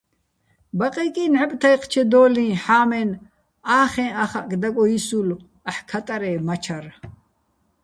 ბაყეკი ნჵაპ თაჲჴჩედო́ლიჼ ჰ̦ა́მენ ა́ხეჼ ახაჸ დაკოჲისულო̆ აჰ̦ ქატარე́ მაჩარ